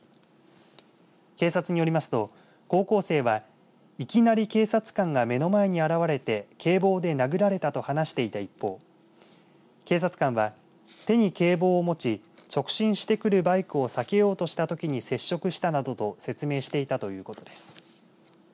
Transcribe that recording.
警察によりますと高校生は、いきなり警察官が目の前に現れて警棒で殴られたと話していた一方警察官は手に警棒を持ち直進してくるバイクを避けようとしたときに接触したなどと説明していたということです。